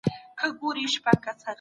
زموږ تګلاره تر نورو روښانه ده.